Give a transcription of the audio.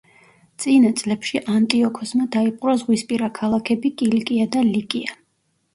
წინა წლებში ანტიოქოსმა დაიპყრო ზღვისპირა ქალაქები კილიკია და ლიკია.